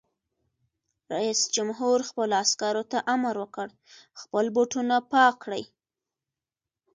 رئیس جمهور خپلو عسکرو ته امر وکړ؛ خپل بوټونه پاک کړئ!